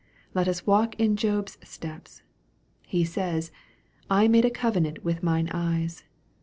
Let us walk in Job's steps : he says, " I made a covenant with mine eyes."